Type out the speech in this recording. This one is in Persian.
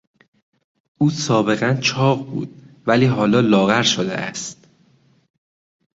او سابقا چاق بود ولی حالا لاغر شده است.